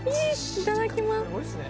いただきます